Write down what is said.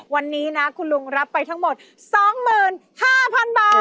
วันนี้นะคุณลุงรับไปทั้งหมด๒๕๐๐๐บาท